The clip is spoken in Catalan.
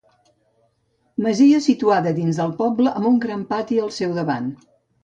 Masia situada dins del poble amb un gran pati al seu davant.